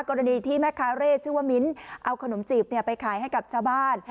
กรณีที่แม่ค้าเร่ชื่อว่ามิ้นเอาขนมจีบไปขายให้กับชาวบ้าน